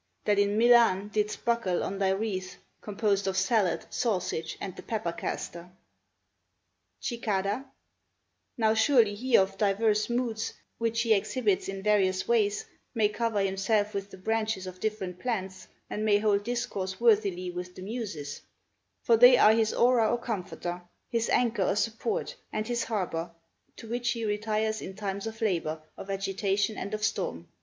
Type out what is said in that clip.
That in Milan didst buckle on thy wreath Composed of salad, sausage, and the pepper caster." Cicada Now surely he of divers moods, which he exhibits in various ways, may cover himself with the branches of different plants, and may hold discourse worthily with the Muses; for they are his aura or comforter, his anchor or support, and his harbor, to which he retires in times of labor, of agitation, and of storm.